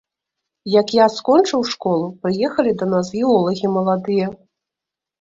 Як я скончыў школу, прыехалі да нас геолагі маладыя.